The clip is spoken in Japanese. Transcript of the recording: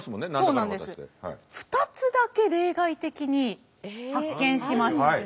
２つだけ例外的に発見しまして。